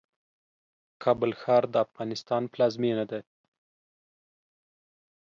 کابل ښار د افغانستان پلازمېنه ده